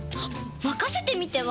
まかせてみては？